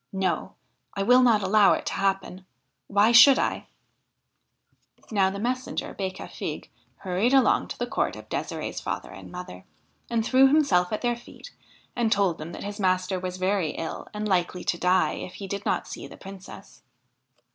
No! I will not allow it to happen : why should I ?' Now the messenger Becafigue hurried along to the court of Desire'e' s father and mother, and threw himself at their feet, and told them that his master was very ill and likely to die if he did not see the Princess.